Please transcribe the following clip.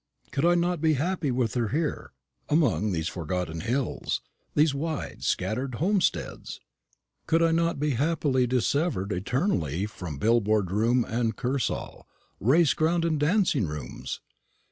Could I not be happy with her here, among these forgotten hills, these widely scattered homesteads? Could I not be happy dissevered eternally from billiard room and kursaal, race ground and dancing rooms?